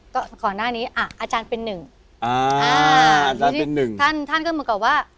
ก็ก่อนหน้านี้อ่ะอาจารย์เป็นหนึ่งอ่าอ่าแล้วนี่เป็นหนึ่งท่านท่านก็เหมือนกับว่า